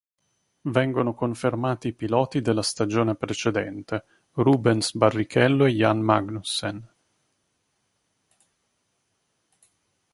Vengono confermati i piloti della stagione precedente, Rubens Barrichello e Jan Magnussen.